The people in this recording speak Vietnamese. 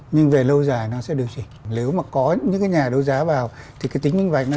nhưng về lâu dài nó sẽ điều chỉnh nếu mà có những cái nhà đấu giá vào thì cái tính minh vạch nó